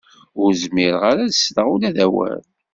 Ur zmireɣ ad sleɣ ula d awal.